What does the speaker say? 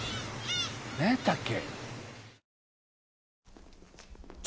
なんやったっけ？